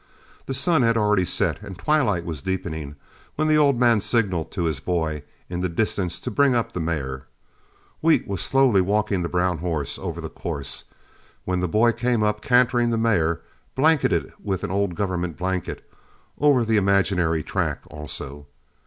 The sun had already set and twilight was deepening when the old man signaled to his boy in the distance to bring up the mare. Wheat was slowly walking the brown horse over the course, when the boy came up, cantering the mare, blanketed with an old government blanket, over the imaginary track also.